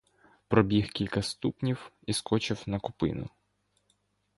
Пробіг кілька ступнів і скочив на купину.